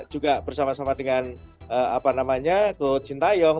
juga bersama sama dengan kut jintayong